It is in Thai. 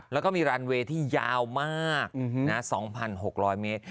แล้วก็มีรันเวย์ที่ยาวมาก๒๖๐๐เมตร